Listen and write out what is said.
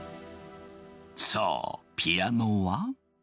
そうピアノは。